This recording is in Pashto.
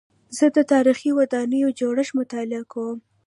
زه د تاریخي ودانیو جوړښت مطالعه کوم.